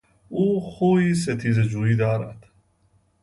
او خوی ستیزهجویی دارد.